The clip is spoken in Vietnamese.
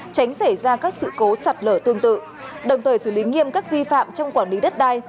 tránh xảy ra các sự cố sạt lở tương tự đồng thời xử lý nghiêm các vi phạm trong quản lý đất đai